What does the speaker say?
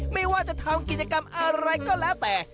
ไม่ว่าจะทำกิจกรรมอะไรก็แล้วแต่